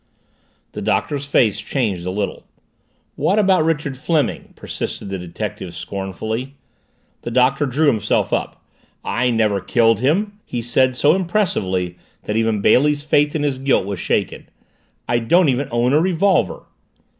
The Doctor's face changed a little. "What about Richard Fleming?" persisted the detective scornfully. The Doctor drew himself up. "I never killed him!" he said so impressively that even Bailey's faith in his guilt was shaken. "I don't even own a revolver!"